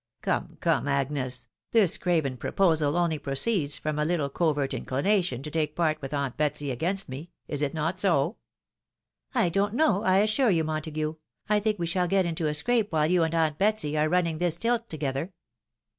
Come, come, Agnes ! This craven proposal only proceeds from a httle covert incHnation to take part with aunt Betsy against me — ^is it not so?" " I doA't know — ^I assure you, Montague, I think we shall get into a scrape while you and aunt Betsy are running this tilt together."